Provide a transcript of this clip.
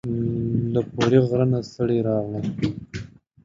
له پوري غره نه ستړي راغلم